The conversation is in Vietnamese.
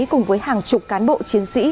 cùng với hàng chục cán bộ chiến sĩ